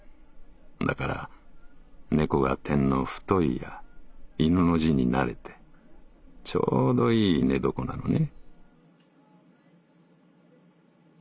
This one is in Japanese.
だから猫が点の『太』や『犬』の字になれてちょうどいい寝床なのね」。